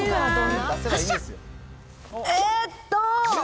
えーっと。